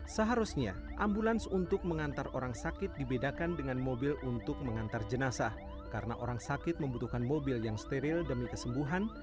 seharusnya ambulans untuk mengantar orang sakit dibedakan dengan mobil untuk mengantar jenazah karena orang sakit membutuhkan mobil yang steril demi kesembuhan